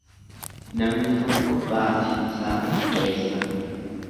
Namni tokko baasi isaa xiqqeessa.